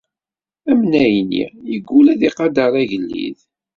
Amnay-nni yeggul ad iqader agellid.